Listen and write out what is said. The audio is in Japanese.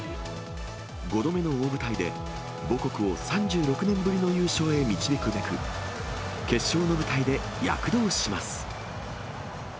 ５度目の大舞台で、母国を３６年ぶりの優勝へ導くべく、決勝の舞台で躍動します。